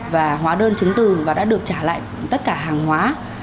và hóa đơn chứng từ và đã được trả lại tất cả hàng hóa